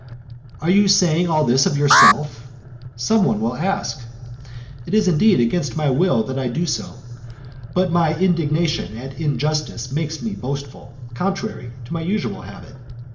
Are you saying all this of yourself? some one will ask. It is indeed against my will that I do so; but my indignation at injustice makes me boastful, contrary to my usual habit.